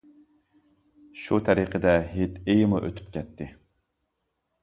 شۇ تەرىقىدە ھېيت ئېيىمۇ ئۆتۈپ كەتتى.